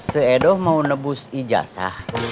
seedoh mau nebus ijasa